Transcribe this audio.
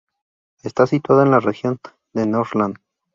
Está situada en la región de Norrland.